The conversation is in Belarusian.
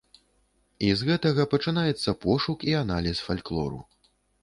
І з гэтага пачынаецца пошук і аналіз фальклору.